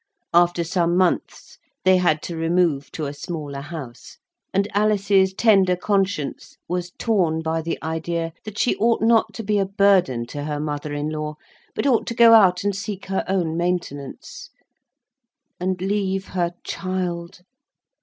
After some months they had to remove to a smaller house; and Alice's tender conscience was torn by the idea that she ought not to be a burden to her mother in law, but ought to go out and seek her own maintenance. And leave her child!